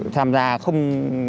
tham gia không